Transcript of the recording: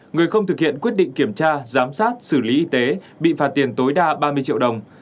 người không thực hiện quyết định kiểm tra giám sát xử lý y tế bị phạt tiền tối đa ba mươi triệu đồng